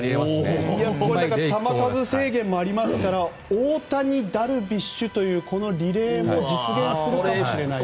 球数制限もありますから大谷、ダルビッシュというこのリレーも実現するかもしれないと。